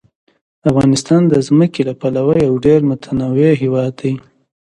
افغانستان د ځمکه له پلوه یو ډېر متنوع هېواد دی.